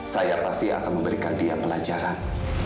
saya pasti akan memberikan dia pelajaran